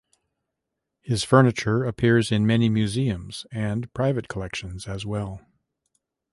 His furniture appears in many museums and private collections as well.